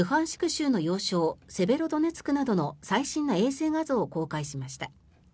州の要衝セベロドネツクなどの最新の衛星画像を公開しました。